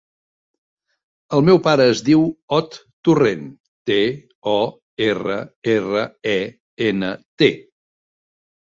El meu pare es diu Ot Torrent: te, o, erra, erra, e, ena, te.